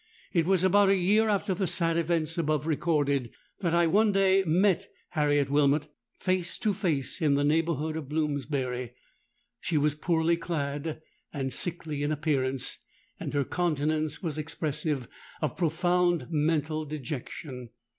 It was about a year after the sad events above recorded, that I one day met Harriet Wilmot face to face in the neighbourhood of Bloomsbury. She was poorly clad and sickly in appearance; and her countenance was expressive of profound mental dejection.